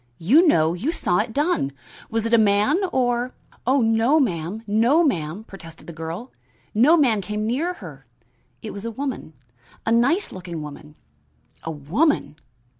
You know; you saw it done. Was it a man or " "Oh no, ma'am, no, ma'am," protested the girl. "No man came near her. It was a woman a nice looking woman." "A woman!"